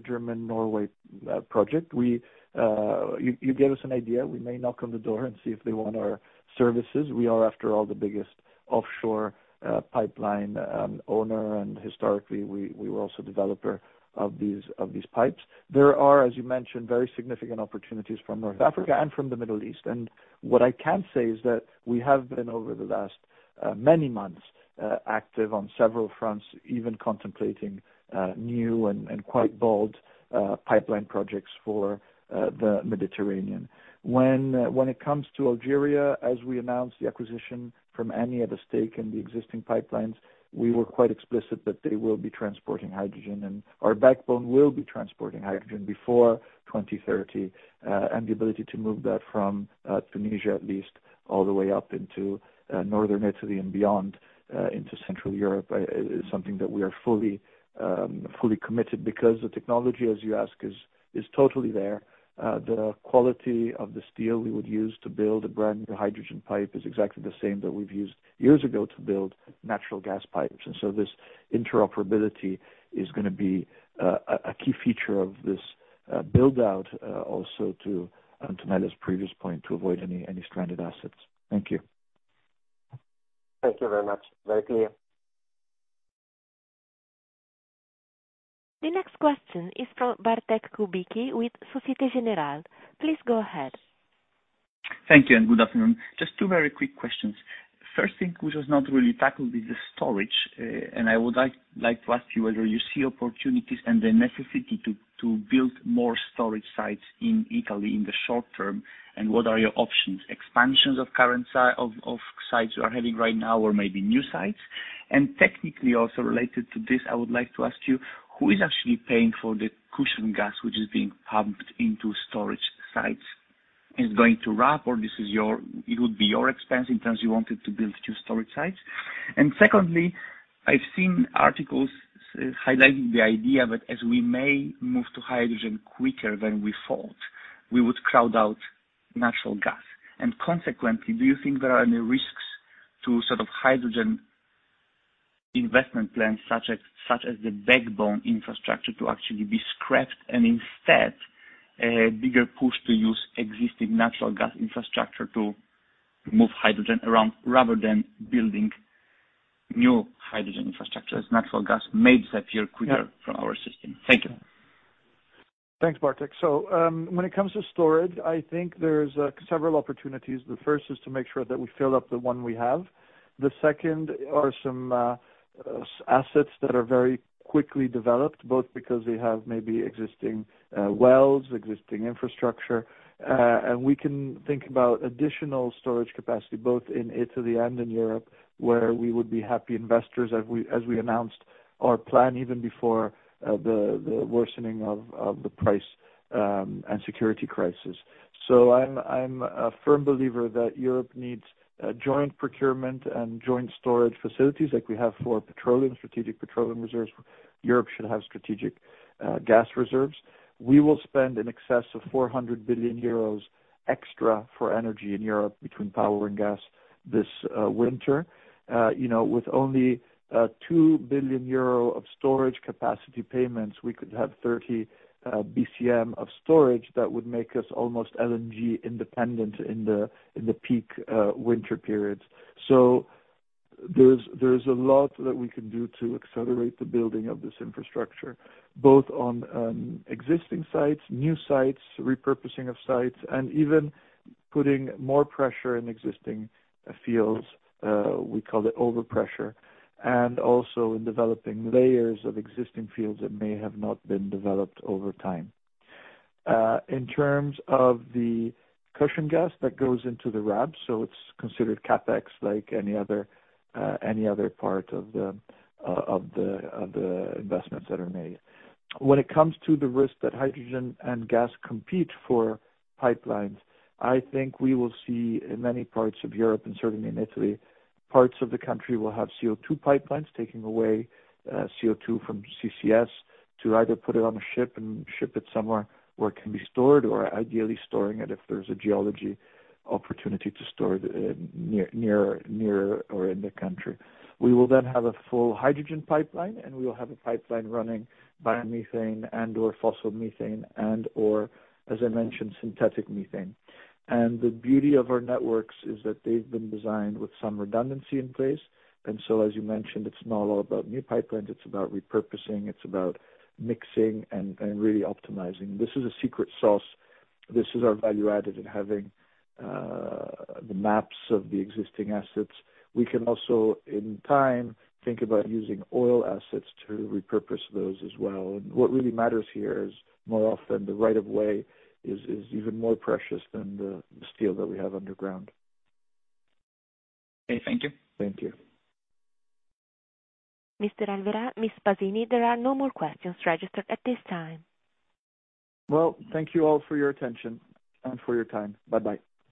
the Germany-Norway project. You gave us an idea. We may knock on the door and see if they want our services. We are, after all, the biggest offshore pipeline owner, and historically, we were also a developer of these pipes. There are, as you mentioned, very significant opportunities from North Africa and from the Middle East. What I can say is that we have been, over the last many months, active on several fronts, even contemplating new and quite bold pipeline projects for the Mediterranean. When it comes to Algeria, as we announce the acquisition from Eni of the stake in the existing pipelines, we were quite explicit that they will be transporting hydrogen, and our backbone will be transporting hydrogen before 2030. The ability to move that from Tunisia, at least, all the way up into northern Italy and beyond into central Europe is something that we are fully committed because the technology, as you ask is totally there. The quality of the steel we would use to build a brand-new hydrogen pipe is exactly the same that we've used years ago to build natural gas pipes. This interoperability is gonna be a key feature of this build out also to Antonella's previous point, to avoid any stranded assets. Thank you. Thank you very much. Very clear. The next question is from Bartłomiej Kubicki with Societe Generale. Please go ahead. Thank you, and good afternoon. Just two very quick questions. First thing which was not really tackled is the storage. I would like to ask you whether you see opportunities and the necessity to build more storage sites in Italy in the short term, and what are your options, expansions of current sites you are having right now or maybe new sites? Technically also related to this, I would like to ask you, who is actually paying for the cushion gas, which is being pumped into storage sites? Is it the RAB or this is your expense in terms if you wanted to build two storage sites? Secondly, I've seen articles highlighting the idea that as we may move to hydrogen quicker than we thought, we would crowd out natural gas. Consequently, do you think there are any risks to sort of hydrogen investment plans such as the backbone infrastructure to actually be scrapped and instead a bigger push to use existing natural gas infrastructure to move hydrogen around rather than building new hydrogen infrastructure as natural gas may disappear quicker from our system? Thank you. Thanks, Bartłomiej. When it comes to storage, I think there's several opportunities. The first is to make sure that we fill up the one we have. The second are, some assets that are very quickly developed, both because they have maybe existing wells, existing infrastructure, and we can think about additional storage capacity both in Italy and in Europe, where we would be happy investors as we announced our plan even before the worsening of the price and security crisis. I'm a firm believer that Europe needs a joint procurement and joint storage facilities like we have for petroleum, strategic petroleum reserves. Europe should have strategic gas reserves. We will spend in excess of 400 billion euros extra for energy in Europe between power and gas this winter. You know, with only 2 billion euro of storage capacity payments, we could have 30 BCM of storage that would make us almost LNG independent in the peak winter periods. There's a lot that we can do to accelerate the building of this infrastructure, both on existing sites, new sites, repurposing of sites, and even putting more pressure in existing fields we call it overpressure, and also in developing layers of existing fields that may have not been developed over time. In terms of the cushion gas that goes into the RAB, it's considered CapEx like any other part of the investments that are made. When it comes to the risk that hydrogen and gas compete for pipelines, I think we will see in many parts of Europe, and certainly in Italy, parts of the country will have CO2 pipelines taking away CO2 from CCS to either put it on a ship and ship it somewhere where it can be stored or ideally storing it if there's a geology opportunity to store it near or in the country. We will then have a full hydrogen pipeline, and we will have a pipeline running biomethane and/or fossil methane and/or, as I mentioned, synthetic methane. The beauty of our networks is that they've been designed with some redundancy in place. As you mentioned, it's not all about new pipelines, it's about repurposing, it's about mixing and really optimizing. This is a secret sauce. This is our value add in having the maps of the existing assets. We can also, in time, think about using oil assets to repurpose those as well. What really matters here is, more often, the right of way is even more precious than the steel that we have underground. Okay, thank you. Thank you. Mr. Alverà, Ms. Pasini, there are no more questions registered at this time. Well, thank you all for your attention and for your time. Bye-bye.